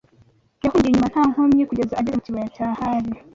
Yahungiye inyuma nta nkomyi kugeza ageze mu kibaya cya Hari